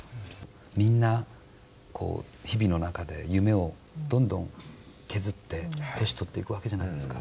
みんな、日々の中で夢をどんどん削って、年取っていくわけじゃないですか。